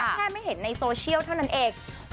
แค่ไม่เห็นในโซเชียลเท่านั้นเอง